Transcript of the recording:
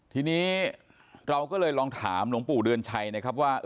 ทีนี้เราก็เลยลองถามหลวงปู่เดือนชัยนะครับว่า